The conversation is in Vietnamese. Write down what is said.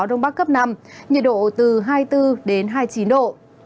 đông bắc cấp năm nhiệt độ từ hai mươi bốn đến hai mươi chín độ